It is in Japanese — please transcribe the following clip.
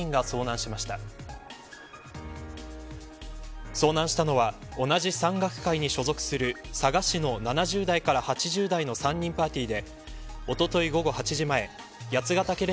遭難したのは同じ山岳会に所属する佐賀市の７０代から８０代の３人パーティーでおととい午後８時前八ケ岳